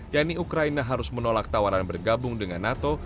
yakni ukraina harus menolak tawaran bergabung dengan nato